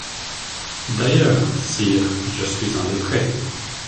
D’ailleurs, sire, je suis un lettré.